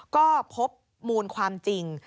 ก็พบมูลความจริง